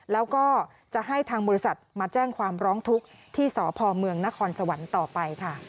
แล้วก็จะให้ทางบริษัทมาแจ้งความร้องทุกข์ที่สพเมืองนครสวรรค์ต่อไปค่ะ